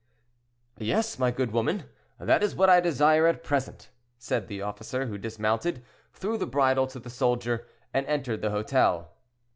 "Yes, my good woman, that is what I desire, at present," said the officer, who dismounted, threw the bridle to the soldier, and entered the hotel.